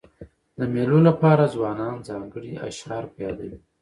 د مېلو له پاره ځوانان ځانګړي اشعار په یادوي.